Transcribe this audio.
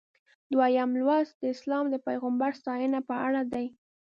دویم لوست د اسلام د پیغمبر ستاینه په اړه دی.